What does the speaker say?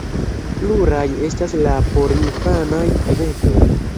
Pluraj estas la porinfanaj eventoj.